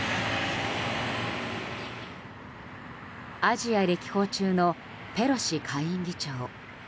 アジア歴訪中のペロシ下院議長。